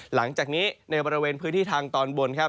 หลังจากนี้ในบริเวณพื้นที่ทางตอนบนครับ